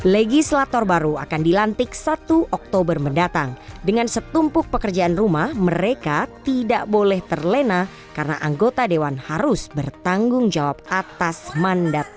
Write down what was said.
legislator baru akan dilantik satu oktober mendatang dengan setumpuk pekerjaan rumah mereka tidak boleh terlena karena anggota dewan harus bertanggung jawab atas mandat